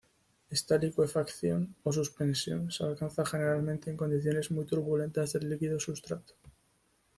Esta licuefacción o suspensión se alcanza generalmente en condiciones muy turbulentas del líquido sustrato.